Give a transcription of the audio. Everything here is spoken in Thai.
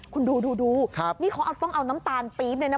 คุณดูนี่เขาต้องเอาน้ำตาลปี๊บเลยนะ